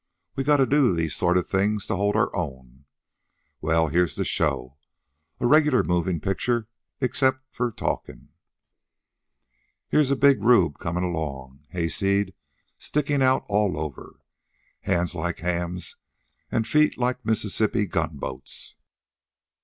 We gotta do these sort of things to hold our own. Well, here's the show, a regular movin' picture except for file talkin'. Here's a big rube comin' along, hayseed stickin' out all over, hands like hams an' feet like Mississippi gunboats.